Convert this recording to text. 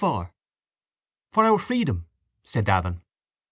—For our freedom, said Davin.